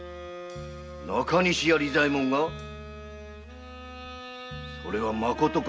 中西屋利左衛門がそれはまことか？